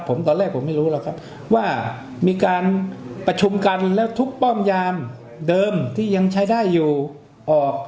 ผมตอนแรกผมไม่รู้หรอกครับว่ามีการประชุมกันแล้วทุกป้อมยามเดิมที่ยังใช้ได้อยู่ออก